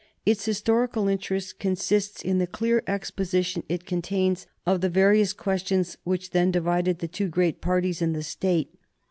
Its historical interest consists in the clear exposition it contains of the various questions which then divided the two great parties in the State.